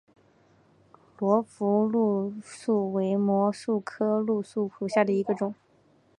罗浮蕗蕨为膜蕨科蕗蕨属下的一个种。